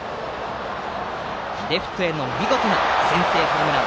レフトへの見事な先制ホームラン。